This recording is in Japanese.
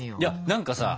何かさ